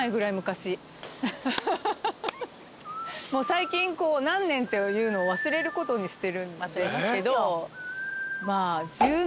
最近何年というのを忘れることにしてるんですけど。